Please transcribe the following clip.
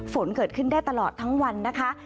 ฝนเกิดขึ้นได้ตลอดทั้งวันนะคะ